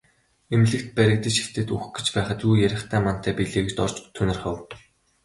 Эмнэлэгт баригдаж хэвтээд үхэх гэж байхад юу ярихтай мантай билээ гэж Дорж тунирхав.